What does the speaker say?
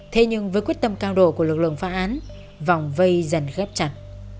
thế nhưng với quyết tâm cao độ của lực lượng phá án vòng vây dần ghép chặt